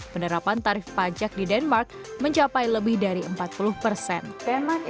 saya yakin anda juga membayar uang uang kepada pemerintah